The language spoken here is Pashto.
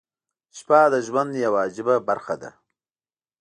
• شپه د ژوند یوه عجیبه برخه ده.